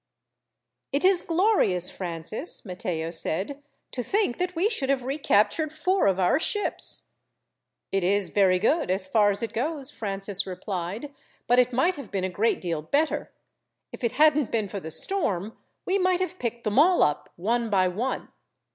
"It is glorious, Francis," Matteo said, "to think that we should have recaptured four of our ships!" "It is very good, as far as it goes," Francis replied, "but it might have been a great deal better. If it hadn't been for the storm, we might have picked them all up one by one.